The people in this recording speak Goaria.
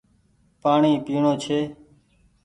پآڻيٚ پيڻو ڇي